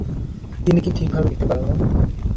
তিনি কি ঠিকভাবে লিখতে পারেন না?